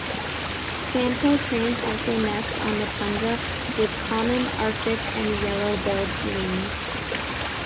Sandhill cranes also nest on the tundra, with common, Arctic and yellow-billed loons.